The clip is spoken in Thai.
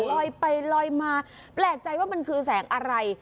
ลอยไปลอยมาแปลกใจว่ามันคือแสงอะไร